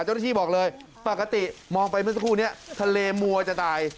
เจ้าหน้าที่บอกเลยปกติมองไปเมื่อสักครู่นี้ทะเลมัวจะตาย